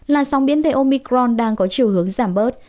làn sóng biến thể omicron đang có chiều hướng giảm bớt